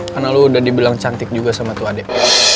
karena lo udah dibilang cantik juga sama tua dek